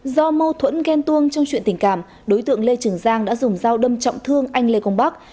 do mâu thuẫn ghen tuông trong chuyện tình cảm đối tượng lê trường giang đã dùng dao đâm trọng thương anh lê công bắc